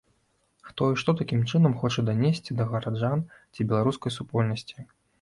Хто і што такім чынам хоча данесці да гараджан ці беларускай супольнасці?